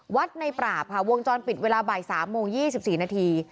วัดในปราบค่ะวงจรปิดเวลาบ่ายสามโมงยี่สิบสี่นาที